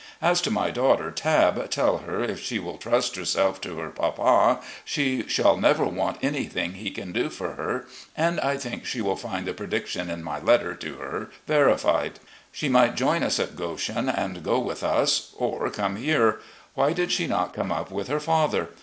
As to my daughter, Tabb, tell her if she will trust herself to her papa she shall never want anything he can do for her, and I think she will find the prediction in my letter to her verified. She might join us at Goshen and go with us, or come here. Why did she not come up with her father?